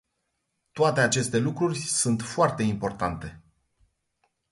Toate aceste lucruri sunt foarte importante.